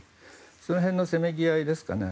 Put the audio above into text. その辺のせめぎ合いですかね。